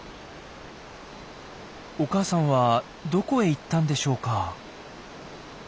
お母さんはどこへ行ったんでしょうか？